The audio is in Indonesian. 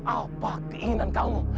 apa keinginan kamu